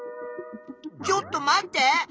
ちょっと待って！